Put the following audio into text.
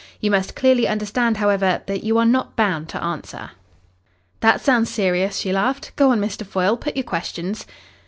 You must clearly understand, however, that you are not bound to answer." "That sounds serious," she laughed. "Go on, Mr. Foyle. Put your questions."